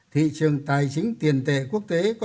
thị trường tài chính tiền tệ quốc tế